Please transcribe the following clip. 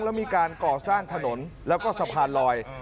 แล้วมีการก่อสร้างถนนแล้วก็สะพานลอย